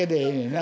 な？